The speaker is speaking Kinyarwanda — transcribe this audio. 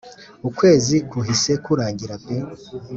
Ukwezi kuhise kurangira pe